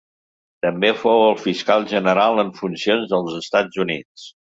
També fou el Fiscal General en funcions dels Estats Units.